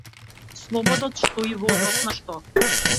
Слобода од што и во однос на што?